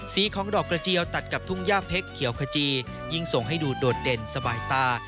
สีของดอกกระเจียวตัดกับทุ่งย่าเพชรเขียวขจียิ่งส่งให้ดูโดดเด่นสบายตา